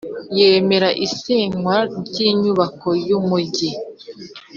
yemera isenywa ry inyubako y,umugi